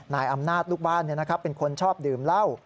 นายอำนาจลูกบ้านเป็นคนชอบดื่มเหล้า